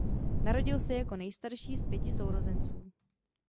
Narodil se jako nejstarší z pěti sourozenců.